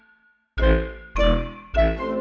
sekarang dia dimana nak